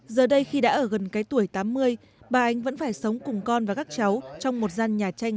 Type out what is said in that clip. giờ đây khi đã ở gần cái tuổi tám mươi bà anh vẫn phải sống cùng con và các cháu trong một gian nhà tranh